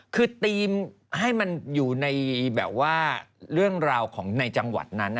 คือทีมให้มันอยู่ในแบบว่าเรื่องราวของในจังหวัดนั้น